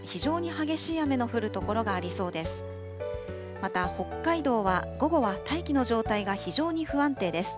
また北海道は午後は大気の状態が非常に不安定です。